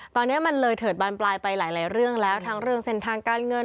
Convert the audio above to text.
ตอนนี้มันเลยเถิดบานปลายไปหลายเรื่องแล้วทั้งเรื่องเส้นทางการเงิน